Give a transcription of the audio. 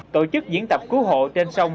tổ chức diễn tập cứu hộ trên sông